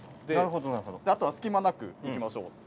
あとは隙間なくいきましょう。